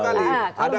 ada kepentingan politik